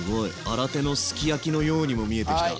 新手のすきやきのようにも見えてきた。